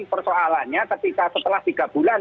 persoalannya ketika setelah tiga bulan